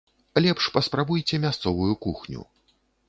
Лепш паспрабуйце мясцовую кухню.